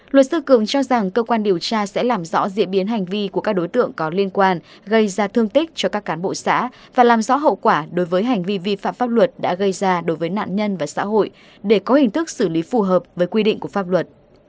luật sư cường cho rằng cơ quan điều tra sẽ làm rõ diễn biến hành vi của các đối tượng có liên quan gây ra thương tích cho các cán bộ xã và làm rõ hậu quả đối với hành vi vi phạm pháp luật đã gây ra đối với nạn nhân và xã hội để có hình thức xử lý phù hợp với quy định của pháp luật